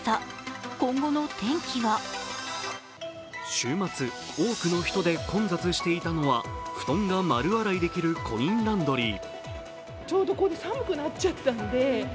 週末、多くの人で混雑していたのは布団が丸洗いできるコインランドリー。